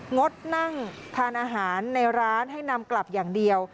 งดนั่งทานอาหารในร้านให้นำกลับอย่างเดียว